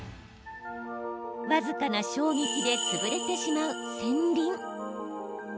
僅かな衝撃で潰れてしまう腺鱗。